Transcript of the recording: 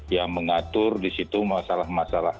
yang mengatur di situ masalah masalah